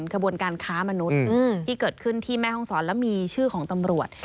ขบวนการค้ามนุษย์ที่เกิดขึ้นที่แม่ห้องศรแล้วมีชื่อของตำรวจ